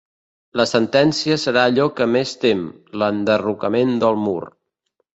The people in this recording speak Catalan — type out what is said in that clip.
La sentència serà allò que més tem: l'enderrocament del mur.